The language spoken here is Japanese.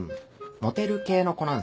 モテる系の子なんすよ。